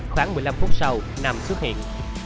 khoảng một mươi năm phút sau nam xuất hiện